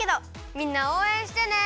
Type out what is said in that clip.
みんなおうえんしてね！